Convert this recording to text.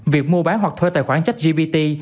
việc mua bán hoặc thuê tài khoản chách gbt